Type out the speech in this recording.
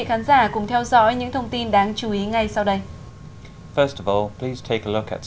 anh đã có nhiều kinh nghiệm trong diplomacy